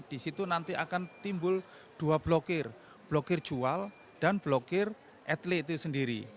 di situ nanti akan timbul dua blokir blokir jual dan blokir etle itu sendiri